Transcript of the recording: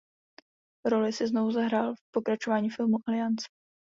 Roli si znovu zahrál v pokračování filmu "Aliance".